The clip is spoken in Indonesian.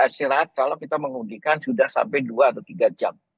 istirahat kalau kita mengundikan sudah sampai dua atau tiga jam